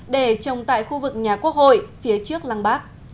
để trồng tại khu vực nhà quốc hội phía trước lăng bác